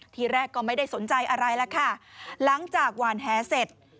ทีแรกก็ไม่ได้สนใจอะไรล่ะค่ะหลังจากหวานแหเสร็จ